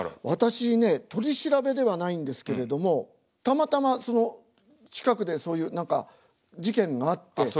私ね取り調べではないんですけれどもたまたまその近くでそういう何か事件があって。